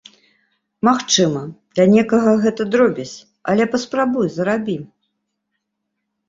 Магчыма, для некага гэта дробязь, але паспрабуй зарабі!